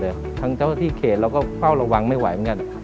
ทางเจ้าที่เขตเราก็เฝ้าระวังไม่ไหวเหมือนกัน